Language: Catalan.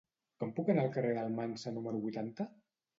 Com puc anar al carrer d'Almansa número vuitanta?